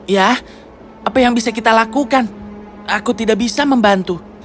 ya apa yang bisa kita lakukan aku tidak bisa membantu